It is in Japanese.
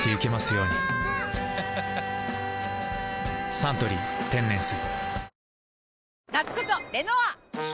「サントリー天然水」